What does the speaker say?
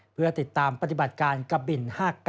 เพื่อติดตามปฏิบัติการกะบิน๕๙